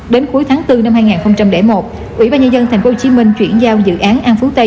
đến cuối tháng bốn năm hai nghìn một ủy ban nhân dân tp hcm chuyển giao dự án an phú tây